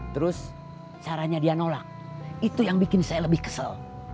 terus caranya dia nolak itu yang bikin saya lebih kesel